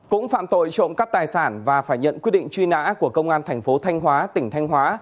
cũng phạm tội trộm cắp tài sản và phải nhận quyết định truy nã của công an thành phố thanh hóa tỉnh thanh hóa